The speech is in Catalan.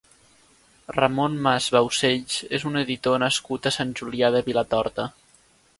Ramon Mas Baucells és un editor nascut a Sant Julià de Vilatorta.